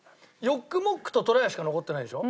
ヨックモックととらやしか残ってないでしょ？